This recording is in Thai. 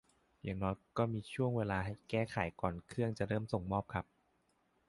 อย่างน้อยก็มีช่วงเวลาให้แก้ไขก่อนเครื่องจะเริ่มส่งมอบครับ